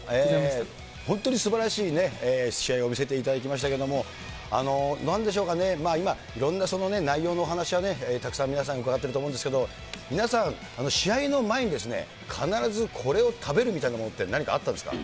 本当にすばらしいね、試合を見せていただきましたけれども、なんでしょうかね、今、いろんな内容のお話をね、たくさん皆さん伺っていると思うんですけれども、皆さん、試合の前に必ず、これを食べるみたいなものって、何かあったんですか。